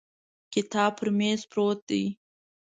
کتاب پر مېز پروت دی.